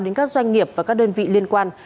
đến các doanh nghiệp và các đơn vị liên quan